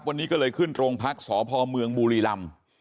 วันนี้ก็เลยขึ้นโรงพักษพเมืองบุรีรำ